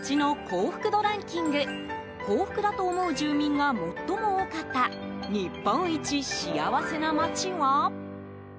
幸福だと思う住民が最も多かった日本一幸せな街は。